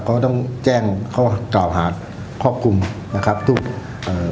เขาก็ต้องแจ้งข้อกล่าวหาครอบคลุมนะครับทุกเอ่อ